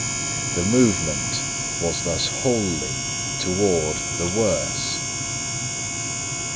The movement was thus wholly toward the worse.